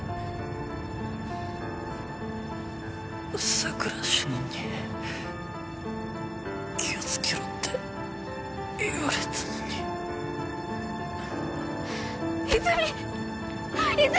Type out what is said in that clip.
佐久良主任に「気をつけろ」って言われてたのに泉泉！